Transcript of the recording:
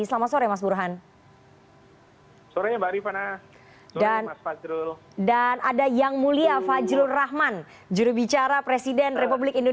selamat sore mas burhan